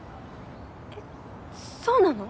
えそうなの？